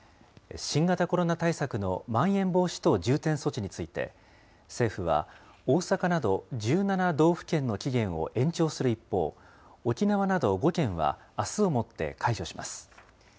新型コロナ対策のまん延防止等重点措置について、政府は、大阪など１７道府県の期限を延長する一方、沖縄など５県はあすをもって解除します。